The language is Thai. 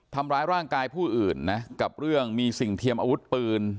ทำร้ายร่างกายผู้อื่นนะกับเรื่องมีสิ่งเทียมอาวุธปืน